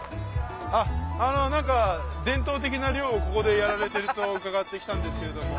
伝統的な漁をここでやられてると伺って来たんですけれども。